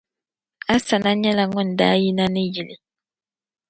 Asana nyɛla ŋun daa yina ni yili.